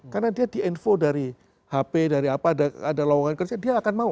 karena dia di info dari hp dari apa ada lawangan kerja dia akan mau